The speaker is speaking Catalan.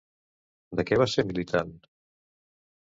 De què va ser militant?